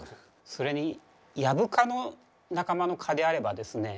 それにヤブ蚊の仲間の蚊であればですね